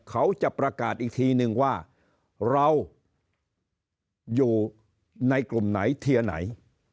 เขาจะประกาศอีกทีนึงว่าเราอยู่ในกลุ่มไหนเทียร์ไหน